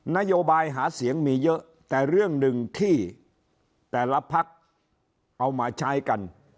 นโยบายหาเสียงมีเยอะแต่เรื่องหนึ่งที่แต่ละพักเอามาใช้กัน